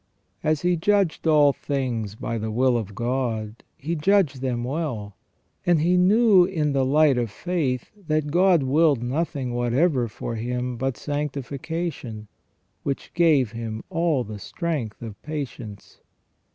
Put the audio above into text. As he judged all things by the will of God, he judged them well : and he knew in the light of faith that God willed nothing whatever for him but sanctification, which gave him all the strength of patience.